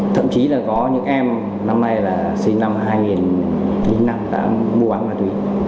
thậm chí là có những em năm nay là sinh năm hai nghìn chín đã mua bán ma túy